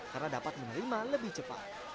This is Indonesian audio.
karena dapat menerima lebih cepat